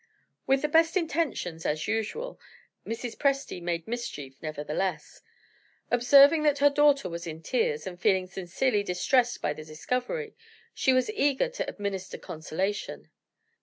With the best intentions (as usual) Mrs. Presty made mischief, nevertheless. Observing that her daughter was in tears, and feeling sincerely distressed by the discovery, she was eager to administer consolation.